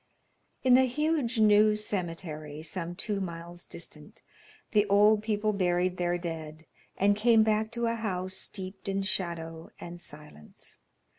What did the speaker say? III. In the huge new cemetery, some two miles distant, the old people buried their dead, and came back to a house steeped in shadow and silence.